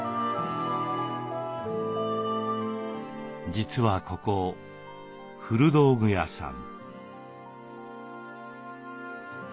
実はここ古道具屋さん。